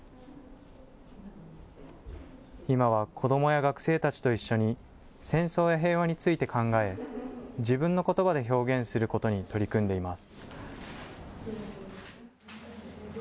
今は子どもや学生たちと一緒に、戦争や平和について考え、自分のことばで表現することに取り組んでいます。